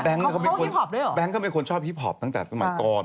แบงค์อย่างแบงค์เขาเรียกว่าสไตล์อะไร